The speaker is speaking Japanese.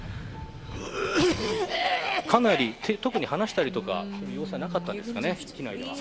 特に話したりする様子はなかったんですかね、機内では。